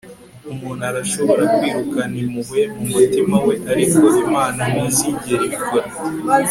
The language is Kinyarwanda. umuntu arashobora kwirukana impuhwe mu mutima we, ariko imana ntizigera ibikora